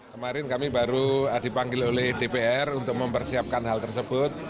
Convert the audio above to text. kemarin kami baru dipanggil oleh dpr untuk mempersiapkan hal tersebut